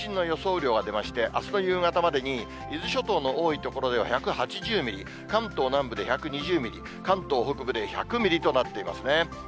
雨量が出まして、あすの夕方までに、伊豆諸島の多い所では１８０ミリ、関東南部で１２０ミリ、関東北部で１００ミリとなっていますね。